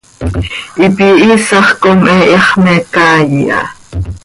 Hipi hihiisax com he iihax me caai ha.